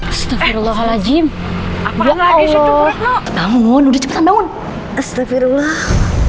astagfirullahaladzim apa lagi sujudmu bangun udah cepet bangun astagfirullah